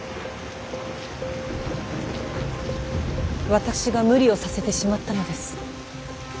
私が無理をさせてしまったのです。